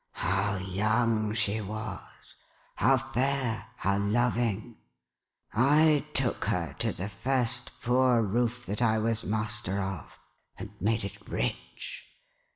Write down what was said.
How young she was, how 'fair, how loving ! I took her to the first poor roof that I was master of, and made it rich.